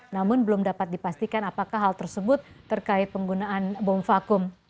namun belum dapat dipastikan apakah hal tersebut terkait penggunaan bom vakum